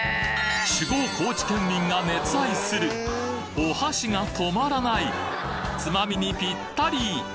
酒豪高知県民が熱愛するお箸が止まらないつまみにピッタリ！